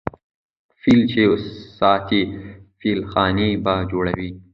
ـ فيل چې ساتې فيلخانې به جوړوې.